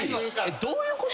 どういうこと？